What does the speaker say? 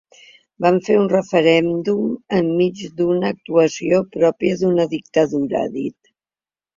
Vam fer un referèndum enmig d’una actuació pròpia d’una dictadura, ha dit.